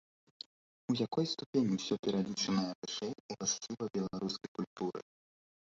У якой ступені ўсё пералічанае вышэй уласціва беларускай культуры?